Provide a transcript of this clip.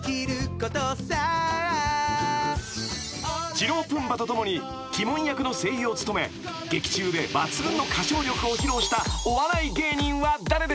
［二朗プンバァと共にティモン役の声優を務め劇中で抜群の歌唱力を披露したお笑い芸人は誰でしょう？］